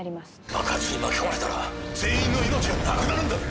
爆発に巻き込まれたら全員の命がなくなるんだぞ・